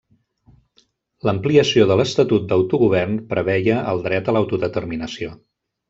L'ampliació de l'estatut d'autogovern preveia el dret a l'autodeterminació.